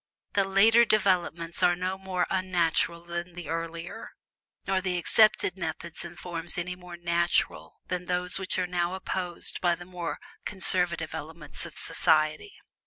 The later developments are no more "unnatural" than the earlier nor the accepted methods and forms any more "natural" than those which are now opposed by the more conservative elements of society.